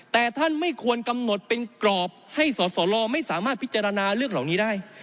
แต่ท่านไม่ควรกำหนดเป็นกรอบให้สสลไม่สามารถพิจารณาเรื่องเหล่านี้ได้